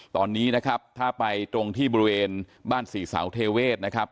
ตอนนี้นะครับถ้าไปตรงที่บริเวณบ้านศรีเสาเทเวศนะครับ